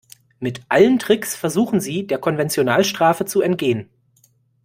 Mit allen Tricks versuchen sie, der Konventionalstrafe zu entgehen.